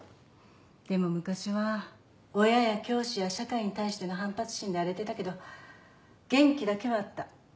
でも昔は親や教師や社会に対しての反発心で荒れてたけど元気だけはあった。